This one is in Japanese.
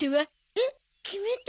えっ決め手？